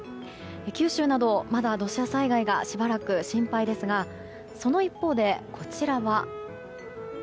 九州など、まだ土砂災害がしばらく心配ですがその一方で、こちらは。